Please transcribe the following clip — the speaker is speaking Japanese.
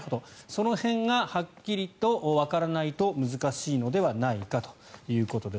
その辺がはっきりとわからないと難しいのではないかということです。